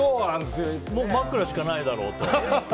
もう枕しかないだろうって。